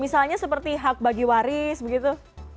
misalnya seperti hak bagi waris begitu